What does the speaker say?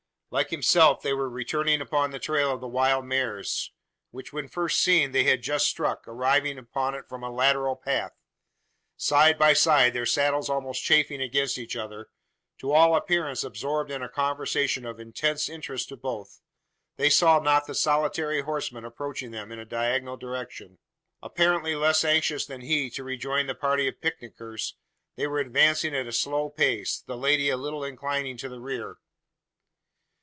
Like himself they were returning upon the trail of the wild mares; which, when first seen, they had just struck, arriving upon it from a lateral path. Side by side their saddles almost chafing against each other to all appearance absorbed in a conversation of intense interest to both, they saw not the solitary horseman approaching them in a diagonal direction. Apparently less anxious than he to rejoin the party of picknickers, they were advancing at a slow pace the lady a little inclining to the rear.